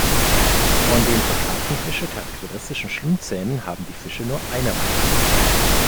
Von den für Karpfenfische charakteristischen Schlundzähne haben die Fische nur eine Reihe.